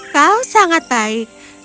kau sangat baik